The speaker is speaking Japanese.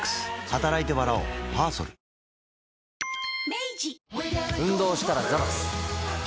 明治運動したらザバス。